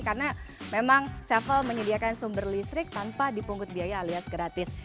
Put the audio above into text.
karena memang several menyediakan sumber listrik tanpa dipungkut biaya alias gratis